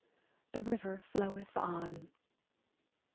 The river floweth on.